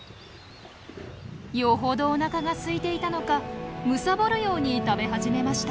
よほどおなかがすいていたのかむさぼるように食べ始めました。